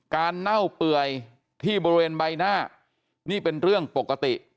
เน่าเปื่อยที่บริเวณใบหน้านี่เป็นเรื่องปกติ